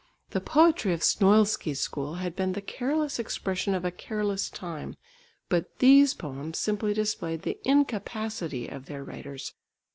The poetry of Snoilsky's school had been the careless expression of a careless time, but these poems simply displayed the incapacity of their writers.